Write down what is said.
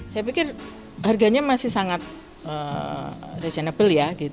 saya pikir harganya masih sangat reasonable ya